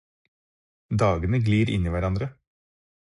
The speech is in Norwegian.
Dagene glir inn i hverandre.